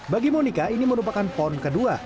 bagi monica ini merupakan pon ke dua